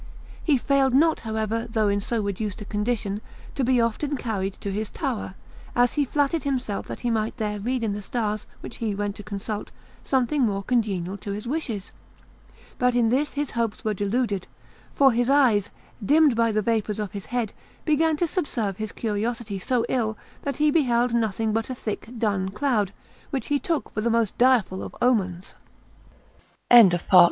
He failed not, however, though in so reduced a condition, to be often carried to his tower, as he flattered himself that he might there read in the stars which he went to consult something more congenial to his wishes: but in this his hopes were deluded, for his eyes, dimmed by the vapours of his head, began to subserve his curiosity so ill, that he beheld nothing but a thick dun cloud, which he took for the most direful of omens.